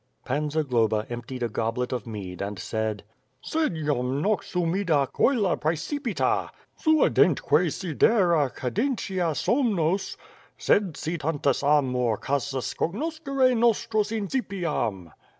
Pan Zagloba emptied a goblet of mead and said: "Sed jam nox humida coelo praecipitat Suadentque sidera cadentia somnos Bed si iantus amor casus cognoscere nostras Incipiam